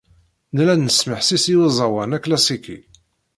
Nella nesmeḥsis i uẓawan aklasiki.